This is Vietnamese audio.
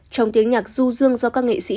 trong tiếng nhạc du dương do các nghệ sĩ